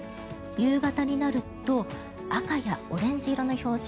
夕方になると赤やオレンジ色の表示